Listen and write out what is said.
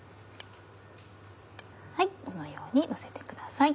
このようにのせてください。